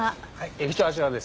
駅長はあちらです。